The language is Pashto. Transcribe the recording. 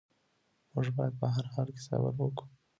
موږ باید په هر حال کې صبر وکړو.